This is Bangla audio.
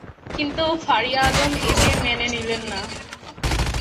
কিন্তু ফারিয়া আলম এই বিয়ে মেনে নিলেন না।